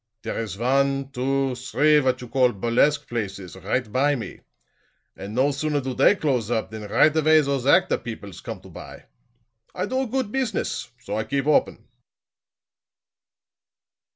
There is one two three what you call burlesque places, right by me; and no sooner do they close up, than right away those actor peoples come to buy. I do a goot business, so I keep open."